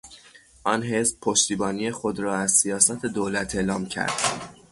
آن حزب پشتیبانی خود را از سیاست دولت اعلام کرد.